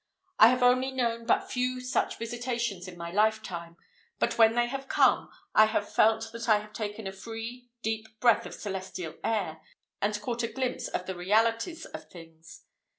I have only known but few such visitations in my lifetime, but when they have come, I have felt that I have taken a free, deep breath of celestial air, and caught a glimpse of the Realities of Things.